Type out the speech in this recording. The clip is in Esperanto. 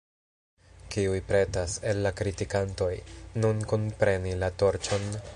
Kiuj pretas, el la kritikantoj, nun kunpreni la torĉon?